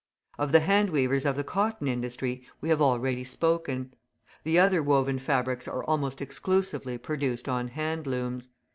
Of the hand weavers of the cotton industry we have already spoken; the other woven fabrics are almost exclusively produced on hand looms.